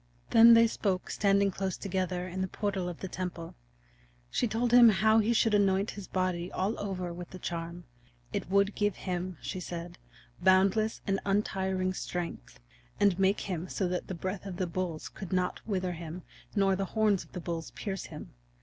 Then they spoke standing close together in the portal of the temple. She told him how he should anoint his body all over with the charm; it would give him, she said, boundless and untiring strength, and make him so that the breath of the bulls could not wither him nor the horns of the bulls pierce him.